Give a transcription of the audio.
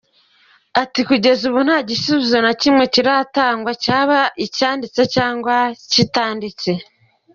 Ati “Kugeza ubu nta gisubizo na kimwe kiratangwa cyaba icyanditse cyangwa kitanditse.